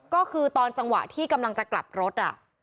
ก็คือตอนจังหวะที่กำลังจะกลับรถ